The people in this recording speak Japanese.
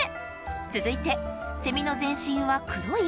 続いてセミの全身は黒い？